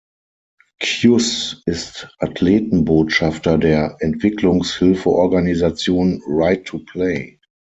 Kjus ist Athletenbotschafter der Entwicklungshilfeorganisation Right To Play.